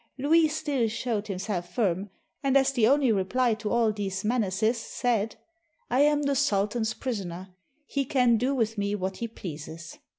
Louis still showed himself firm, and as the only reply to all these menaces, said, "I am the sultan's prisoner, he can do with me what he pleases."